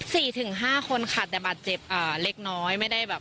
ถึงห้าคนค่ะแต่บาดเจ็บอ่าเล็กน้อยไม่ได้แบบ